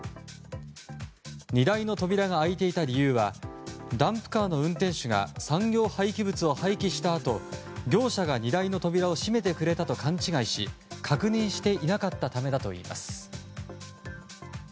荷台の扉が開いていた理由はダンプカーの運転手が産業廃棄物を廃棄したあと業者が荷台の扉を閉めてくれたと勘違いし確認していなかったためだといいます。